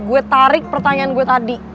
gue tarik pertanyaan gue tadi